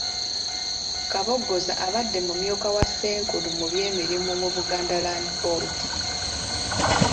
Kabogoza abadde mumyuka wa Ssenkulu mu by’emirimu mu Buganda Land Board.